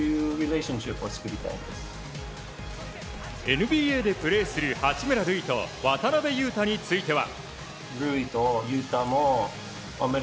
ＮＢＡでプレーする八村塁と渡邊雄太については。